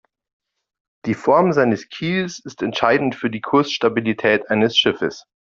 Die Form seines Kiels ist entscheidend für die Kursstabilität eines Schiffes.